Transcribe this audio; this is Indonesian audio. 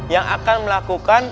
yang akan melakukan